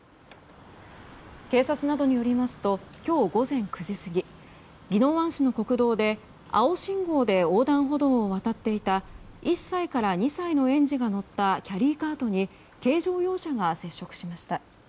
警察などによりますと今日午前９時過ぎ宜野湾市の国道で青信号で横断歩道を渡っていた１歳から２歳の園児が乗ったキャリーカートに軽乗用車が接触しました。